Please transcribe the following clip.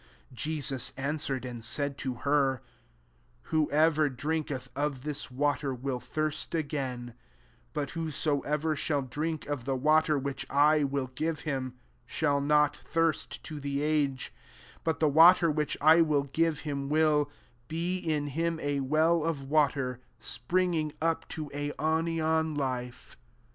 IS Jesus an swered, and said to her, " Who soever drinketh of this water, will thirst again t 14 but who soever shall drink of the water which I will give him, shall not thirst to the age ; but the water which I will give bim will be in him a well of water spnug ittg up to aionian life."